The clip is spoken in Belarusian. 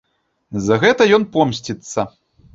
За гэта ён помсціцца.